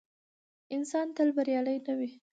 انسان تل بریالی نه وي.